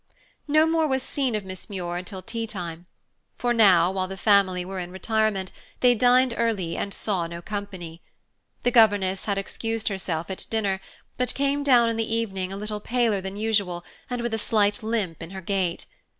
No more was seen of Miss Muir till teatime; for now, while the family were in retirement, they dined early and saw no company. The governess had excused herself at dinner, but came down in the evening a little paler than usual and with a slight limp in her gait.